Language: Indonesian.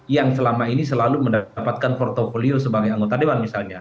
yang selama ini selalu mendapatkan portfolio sebagai anggota dewan misalnya